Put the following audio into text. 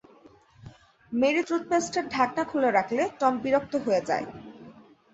Mary টুথপেস্টের ঢাকনা খুলে রাখলে টম বিরক্ত হয়ে যায়।